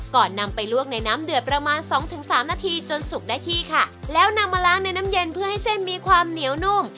นำไปลวกในน้ำเดือดประมาณสองถึงสามนาทีจนสุกได้ที่ค่ะแล้วนำมาล้างในน้ำเย็นเพื่อให้เส้นมีความเหนียวนุ่ม